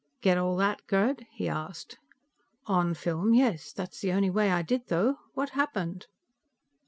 "Get that all, Gerd?" he asked. "On film, yes. That's the only way I did, though. What happened?"